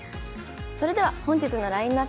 それでは本日のラインナップです。